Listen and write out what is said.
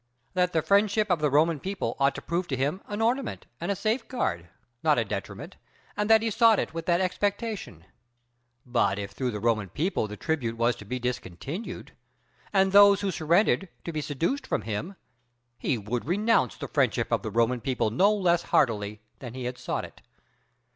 That the friendship of the Roman people ought to prove to him an ornament and a safeguard, not a detriment; and that he sought it with that expectation. But if through the Roman people the tribute was to be discontinued, and those who surrendered to be seduced from him, he would renounce the friendship of the Roman people no less heartily than he had sought it.